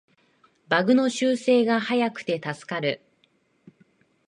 バグの修正が早くて助かる